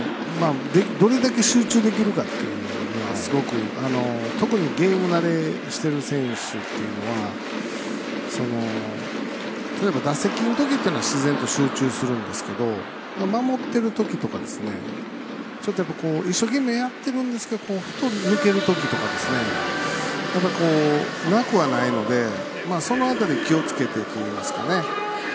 どれだけ集中できるかっていうのがすごく、特にゲーム慣れしている選手っていうのは例えば打席にいるときというのは自然と集中するんですけど守ってるときとか一生懸命やってるんですがふと抜けるときとかなくはないのでその辺り、気をつけてというんですかね。